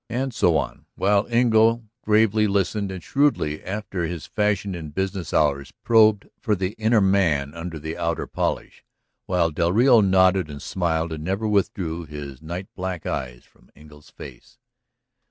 And so on, while Engle gravely listened and shrewdly, after his fashion in business hours, probed for the inner man under the outer polish, while del Rio nodded and smiled and never withdrew his night black eyes from Engle's face.